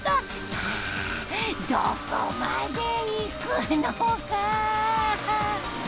さあどこまでいくのか？